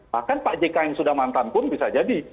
bahkan pak jk yang sudah mantan pun bisa jadi